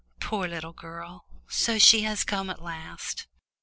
"Poor little girl; so she has come at last.